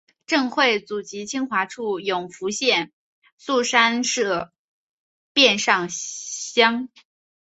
郑橞祖籍清华处永福县槊山社忭上乡。